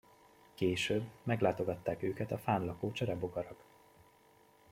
Később meglátogatták őket a fán lakó cserebogarak.